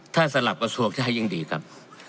ถ้าสลับประสวกได้ยิ่งดีครับ